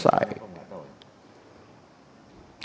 saya kok gak tahu itu